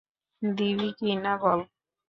দিবি কি না বল?